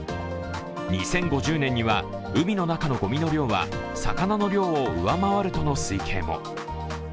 ２０５０年には海の中のごみの量は、魚の量を上回るとの推計も。